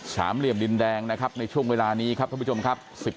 เหลี่ยมดินแดงนะครับในช่วงเวลานี้ครับท่านผู้ชมครับ